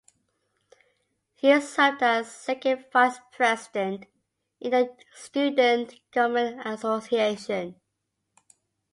He served as Second Vice President in the Student Government Association.